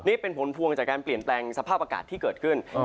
นี่เป็นผลพวงจากการเปลี่ยนแปลงสภาพอากาศที่เกิดขึ้น